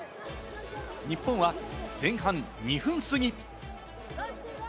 日本は前半２分過ぎ。